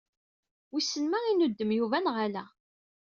Wissen ma inuddem Yuba neɣ ala.